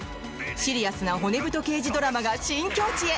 シリアスな骨太刑事ドラマが新境地へ。